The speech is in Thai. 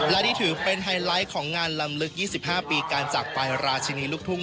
และนี่ถือเป็นไฮไลท์ของงานลำลึกยี่สิบห้าปีการจักรราชินีลุกทุ่ง